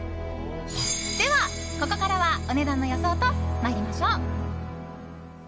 では、ここからはお値段の予想と参りましょう。